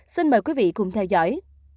xin mời quý vị cùng theo dõi